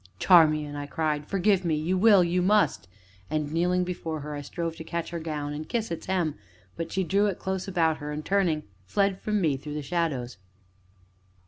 "Charmian," I cried, "forgive me you will, you must!" and, kneeling before her, I strove to catch her gown, and kiss its hem, but she drew it close about her, and, turning, fled from me through the shadows.